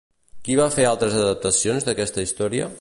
Qui va fer altres adaptacions d'aquesta història?